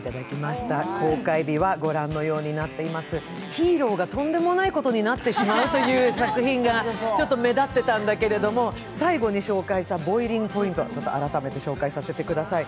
ヒーローがとんでもないことになってしまうという作品がちょっと目立っていたんだけれども、最後に紹介した「ボイリング・ポイント沸騰」を紹介させてください。